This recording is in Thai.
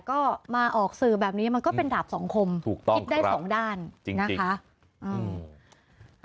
ก็มาออกสื่อแบบนี้มันก็เป็นดาบสองคมถูกต้องคิดได้สองด้านจริงนะคะอืม